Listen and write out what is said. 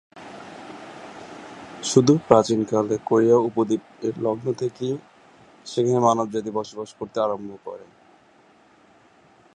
সুদূর প্রাচীনকালে কোরীয় উপদ্বীপ এর লগ্ন থেকেই সেখানে মানবজাতি বসবাস করতে আরম্ভ করে।